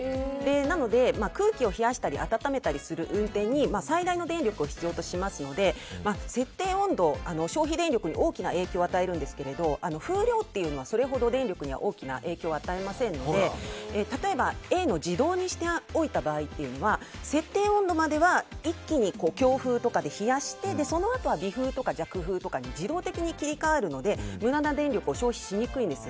なので空気を冷やしたり温めたりする運転に最大の電力を必要としますので設定温度、消費電力に大きな影響を与えるんですが風量というのはそれほど電力には大きな影響を与えませんので例えばＡの自動にしておいた場合設定温度までは一気に強風とかで冷やして、そのあとは微風とか弱風とかに自動的に切り替わるので無駄な電力を消費しにくいんです。